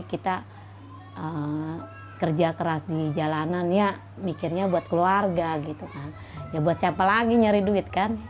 kita kerja keras di jalanan ya mikirnya buat keluarga gitu kan ya buat siapa lagi nyari duit kan